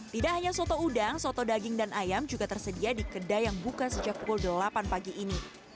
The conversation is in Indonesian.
tidak hanya soto udang soto daging dan ayam juga tersedia di kedai yang buka sejak pukul delapan pagi ini